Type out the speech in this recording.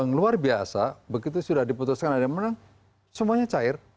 yang luar biasa begitu sudah diputuskan ada yang menang semuanya cair